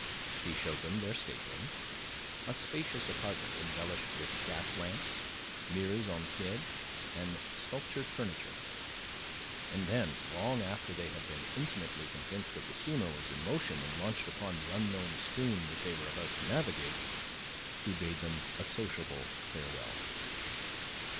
He showed them their stateroom a spacious apartment, embellished with gas lamps, mirrors en pied, and sculptured furniture and then, long after they had been intimately convinced that the steamer was in motion and launched upon the unknown stream that they were about to navigate, he bade them a sociable farewell.